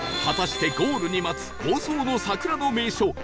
果たしてゴールに待つ房総の桜の名所